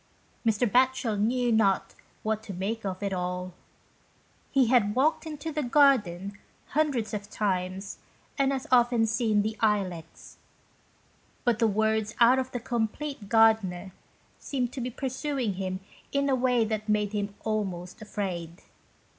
Mr. Batchel knew not what to make of it all. He had walked into the garden hundreds of times and as often seen the Ilex, but the words out of the "Compleat Gard'ner" seemed to be pursuing him in a way that made him almost afraid.